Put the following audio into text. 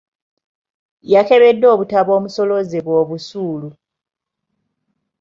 Yakebedde obutabo omusoloozebwa obusuulu.